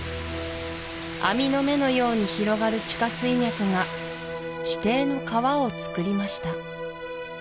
網の目のように広がる地下水脈が地底の川をつくりました